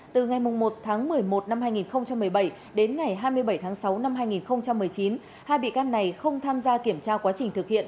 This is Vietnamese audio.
từ ngày một tháng một mươi một năm hai nghìn một mươi bảy đến ngày hai mươi bảy tháng sáu năm hai nghìn một mươi chín hai bị can này không tham gia kiểm tra quá trình thực hiện